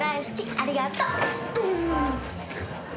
ありがとう。